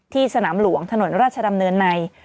สนามหลวงถนนราชดำเนินใน